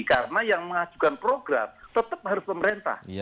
karena yang mengajukan program tetap harus pemerintah